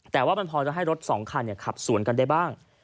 แต่ว่ามันพอจะให้รถสองคันขับสวนกันได้บ้าง